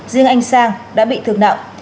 riêng anh sang đã bị thương nặng